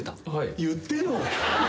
言ってよ。